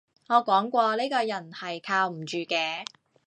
我講過呢個人係靠唔住嘅